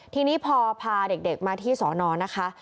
ทีนี้พอพาเด็กมาที่สอนอนะคะ